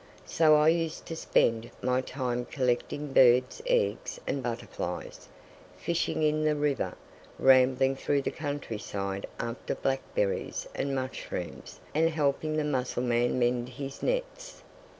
So I used to spend my time collecting birds' eggs and butterflies, fishing in the river, rambling through the countryside after blackberries and mushrooms and helping the mussel man mend his nets.